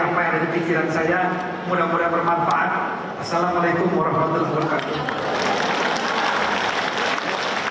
apa yang ada di pikiran saya mudah mudahan bermanfaat assalamualaikum warahmatullahi wabarakatuh